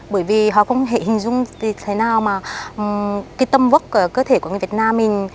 bởi vì họ không hề hình dung thế nào mà cái tâm vức cơ thể của người việt nam mình